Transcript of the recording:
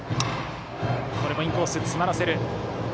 これもインコースで詰まらせた。